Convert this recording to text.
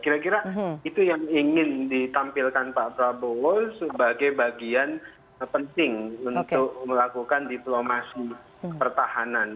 kira kira itu yang ingin ditampilkan pak prabowo sebagai bagian penting untuk melakukan diplomasi pertahanan